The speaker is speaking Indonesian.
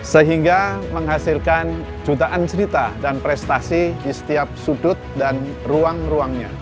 sehingga menghasilkan jutaan cerita dan prestasi di setiap sudut dan ruang ruangnya